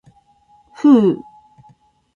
ふう。